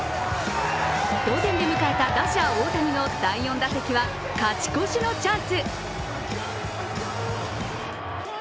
同点で迎えた打者・大谷の第４打席は勝ち越しのチャンス。